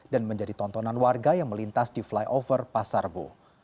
dan menjadi tontonan warga yang melintas di flyover pasarbo